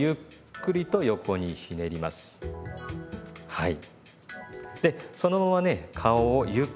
はい。